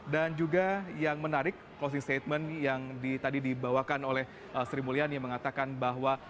dan juga yang menarik closing statement yang tadi dibawakan oleh sri mulyani yang mengatakan bahwa